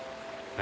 何？